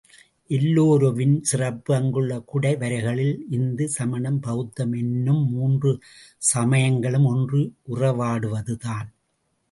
எல்லோராவின் சிறப்பு அங்குள்ள குடைவரைகளில் இந்து, சமணம், பௌத்தம் என்னும் மூன்று சமயங்களும் ஒன்றி உறவாடுவதுதான்.